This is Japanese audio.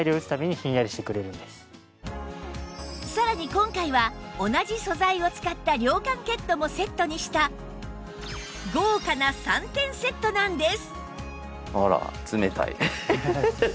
さらに今回は同じ素材を使った涼感ケットもセットにした豪華な３点セットなんです！